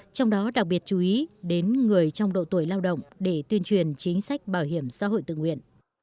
trong đó đặc biệt chú ý đến người trong độ tuổi lao động để tuyên truyền chính sách bảo hiểm xã hội tự nguyện